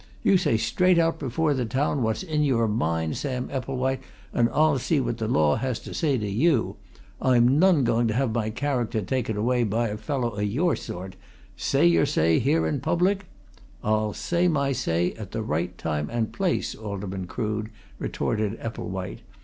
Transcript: You say straight out before the town what's in your mind, Sam Epplewhite, and I'll see what the law has to say to you! I'm none going to have my character taken away by a fellow o' your sort. Say your say, here in public " "I'll say my say at the right time and place, Alderman Crood!" retorted Epplewhite.